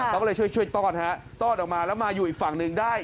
เขาก็เลยช่วยต้อนฮะต้อนออกมาแล้วมาอยู่อีกฝั่งหนึ่งได้